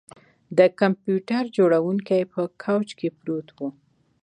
د کمپیوټر جوړونکی په کوچ پروت و